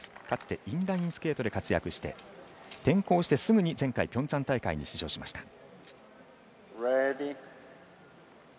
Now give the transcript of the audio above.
かつて、インラインスケートで活躍して転向してすぐに前回ピョンチャン大会に出場しました。